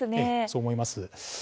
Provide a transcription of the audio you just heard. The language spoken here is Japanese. そう思います。